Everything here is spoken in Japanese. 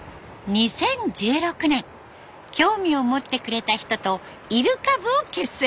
２０１６年興味を持ってくれた人とイルカ部を結成。